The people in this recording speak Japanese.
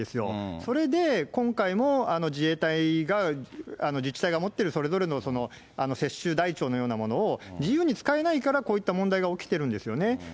それで今回も自衛隊が自治体が持ってるそれぞれの接種台帳のようなものを自由に使えないからこういった問題が起きてるんですよね。